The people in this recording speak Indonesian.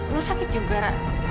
lo sakit juga ra